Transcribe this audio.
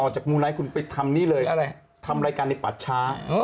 จากมูไนท์คุณไปทำนี่เลยทำรายการในป่าช้า